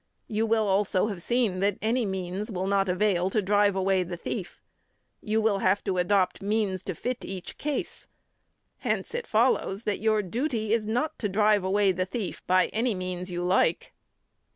You will also have seen that any means will not avail to drive away the thief. You will have to adopt means to fit each case. Hence it follows that your duty is not to drive away the thief by any means you like.